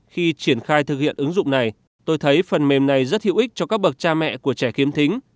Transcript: khi triển khai thực hiện ứng dụng này tôi thấy phần mềm này rất hữu ích cho các bậc cha mẹ của trẻ khiếm thính